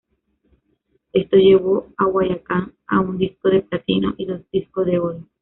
Esto llevó a Guayacán a un Disco de Platino y dos Discos de Oro.